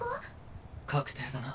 確定だな。